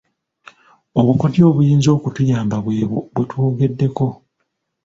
Obukodyo obuyinza okutuyamba bwe bwo bwe twogeddeko.